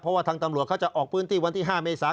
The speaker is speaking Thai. เพราะว่าทางตำรวจเขาจะออกพื้นที่วันที่๕เมษา